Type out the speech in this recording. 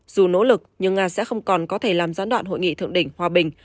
dù nỗ lực nhưng nga sẽ không còn có thể làm gián đoạn hội nghị thượng đỉnh hòa bình